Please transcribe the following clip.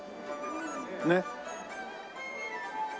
ねっ。